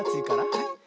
はい。